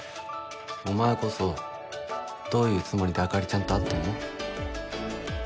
お前こそどういうつもりであかりちゃんと会ってんの？